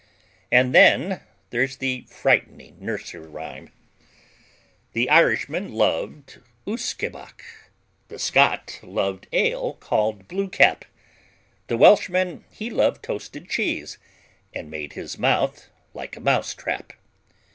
Then there's the frightening nursery rhyme: The Irishman loved usquebaugh, The Scot loved ale called Bluecap. The Welshman, he loved toasted cheese, And made his mouth like a mousetrap.